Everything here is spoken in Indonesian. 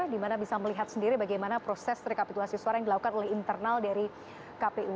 dimana bisa melihat sendiri bagaimana proses rekapitulasi suara yang dilakukan oleh internal dari kpu